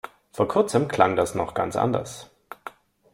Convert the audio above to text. Vor kurzem klang das noch ganz anders.